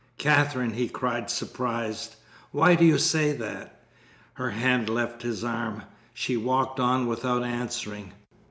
"Katherine!" he cried, surprised. "Why do you say that?" Her hand left his arm. She walked on without answering.